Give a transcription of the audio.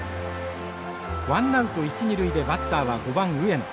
ワンナウト一二塁でバッターは５番上野。